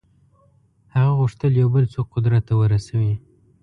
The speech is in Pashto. هغه غوښتل یو بل څوک قدرت ته ورسوي.